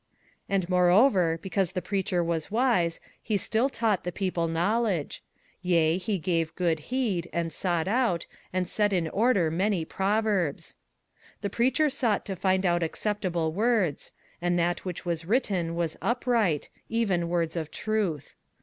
21:012:009 And moreover, because the preacher was wise, he still taught the people knowledge; yea, he gave good heed, and sought out, and set in order many proverbs. 21:012:010 The preacher sought to find out acceptable words: and that which was written was upright, even words of truth.